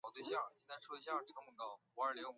曹溪南宗又分为石头禅和洪州禅。